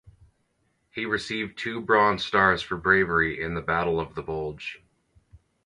He received two bronze stars for bravery in the Battle of the Bulge.